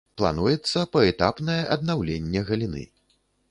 Плануецца паэтапнае аднаўленне галіны.